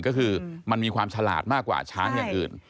ก็คือมันมีความฉลาดมากกว่าช้างอย่างอื่น